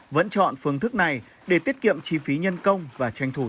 vẫn chọn phương thức này để tiết kiệm chi phí nhân công và tranh thủ thu hoạch